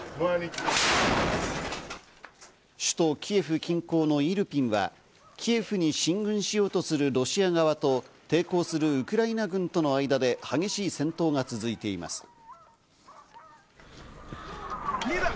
首都キエフ近郊のイルピンはキエフに進軍しようとするロシア側と抵抗するウクライナ軍との間で激しい戦闘が続いています。